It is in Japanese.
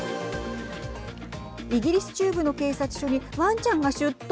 イギリス中部の警察署にわんちゃんが出頭。